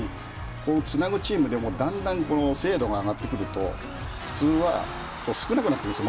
つなぐチームでもだんだん精度が上がってくると普通は少なくなってるんですよ